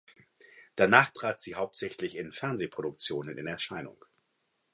Danach trat sie hauptsächlich in Fernsehproduktionen in Erscheinung.